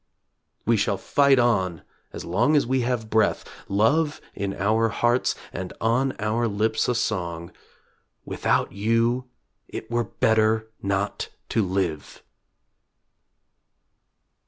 We shall fight on as long as we have breath Love in our hearts and on our lips a song Without you it were better not to live!